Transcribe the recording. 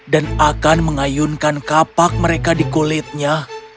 dan akan mengayunkan kapak mereka di kulitnya